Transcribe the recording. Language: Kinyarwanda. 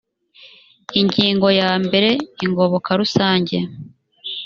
ingingo ya mbere ingoboka rusange